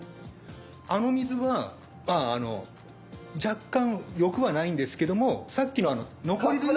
あの水は若干良くはないんですけどもさっきの残り汁に比べ。